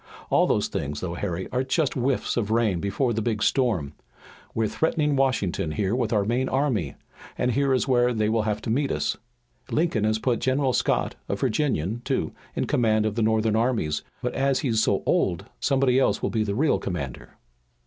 All those things, though, Harry, are just whiffs of rain before the big storm. We're threatening Washington here with our main army, and here is where they will have to meet us. Lincoln has put General Scott, a Virginian, too, in command of the Northern armies, but as he's so old, somebody else will be the real commander."